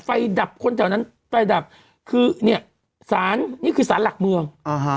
ดับคนแถวนั้นไฟดับคือเนี่ยสารนี่คือสารหลักเมืองอ่าฮะ